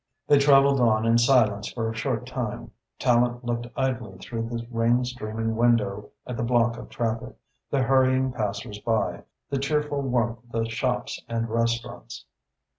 They travelled on in silence for a short time. Tallente looked idly through the rain streaming window at the block of traffic, the hurrying passers by, the cheerful warmth of the shops and restaurants.